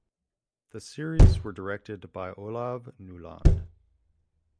The series were directed by Olav Neuland.